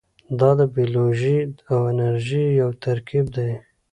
دا د بیولوژي او انجنیری یو ترکیب دی.